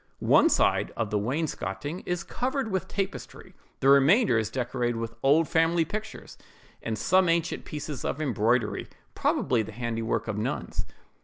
One side of the wainscoting is covered with tapestry; the remainder is decorated with old family pictures, and some ancient pieces of embroidery, probably the handiwork of nuns.